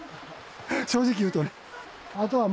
正直言うとね。